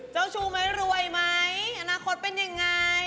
เจ้าชู้มั้ยรวยมั้ยอนาคตเป็นยังไง